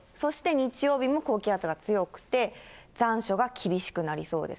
日曜日も高気圧が強くて、残暑が厳しくなりそうです。